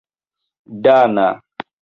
dana